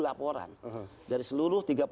laporan dari seluruh